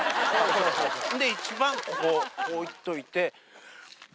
ほんで一番ここを置いといて。